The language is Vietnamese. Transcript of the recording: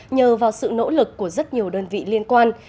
nhờ vào sự nỗ lực của rất nhiều đơn vị liên quan